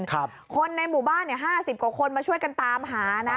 คนในหมู่บ้าน๕๐กว่าคนมาช่วยกันตามหานะ